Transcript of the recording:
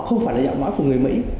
không phải là giọng nói của người mỹ